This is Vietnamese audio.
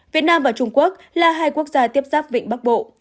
việt nam và trung quốc là hai quốc gia tiếp xác vịnh bắc đông